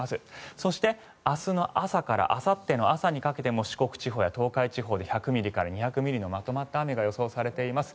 そして、明日の朝からあさっての朝にかけても四国地方や東海地方で１００ミリから２００ミリのまとまった雨が予想されています。